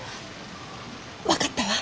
分かったわ。